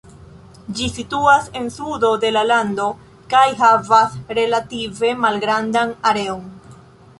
Ĝi situas en sudo de la lando kaj havas relative malgrandan areon.